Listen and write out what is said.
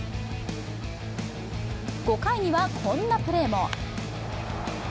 ５回にはこんなプレーも。